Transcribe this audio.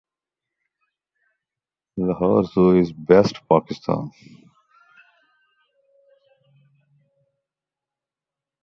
Botley station is located on the Fareham-Eastleigh line which runs between Eastleigh and Fareham.